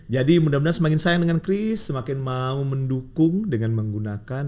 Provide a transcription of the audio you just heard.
jadi mudah mudahan semakin sayang dengan kris semakin mau mendukung dengan menggunakan